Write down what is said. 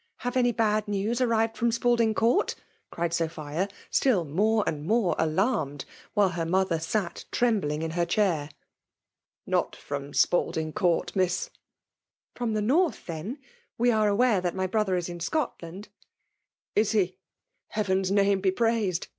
— Have any bad news arrived from Spalding Court V cried Sophia^ still more and more alarmed^ while her mother sat trembling in her chair. " Not from Spalding Court, Miss." " From the North, then ?— We are aware that my brother is in Scotland.'* '* Is he ?— Heaven's name be praised !